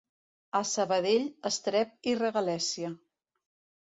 A Sabadell, estrep i regalèssia.